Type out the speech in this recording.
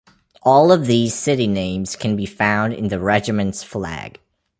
All of these city names can be found in the regiment's flag.